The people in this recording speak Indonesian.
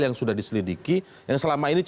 yang sudah diselidiki yang selama ini